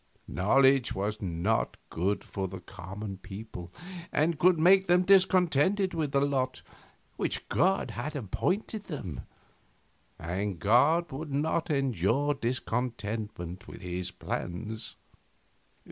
Knowledge was not good for the common people, and could make them discontented with the lot which God had appointed for them, and God would not endure discontentment with His plans.